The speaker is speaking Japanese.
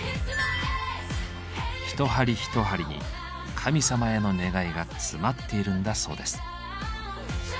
一針一針に神様への願いが詰まっているんだそうです。